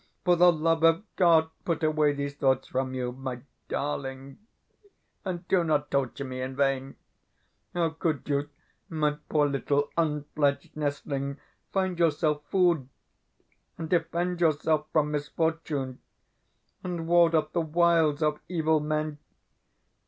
For the love of God, put away these thoughts from you, my darling, and do not torture me in vain. How could you, my poor little unfledged nestling, find yourself food, and defend yourself from misfortune, and ward off the wiles of evil men?